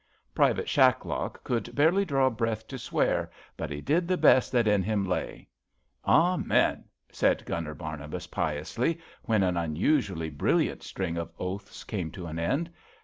Private Shacklock could barely draw breath to swear, but he did the best that in him lay. Amen, '' said Gunner Barnabas piously, when an unusually brilliant string of oaths came to an end.